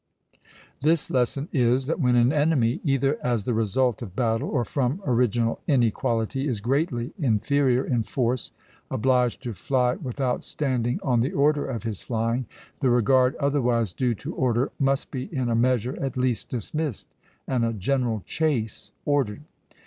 This lesson is, that when an enemy, either as the result of battle or from original inequality, is greatly inferior in force, obliged to fly without standing on the order of his flying, the regard otherwise due to order must be in a measure at least dismissed, and a general chase ordered.